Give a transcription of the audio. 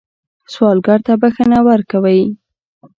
سوالګر ته بښنه ورکوئ